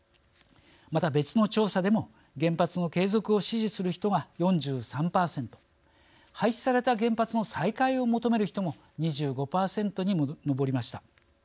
また別の調査でも原発の継続を支持する人が４３％廃止された原発の再開を求める人も２５％に上りました。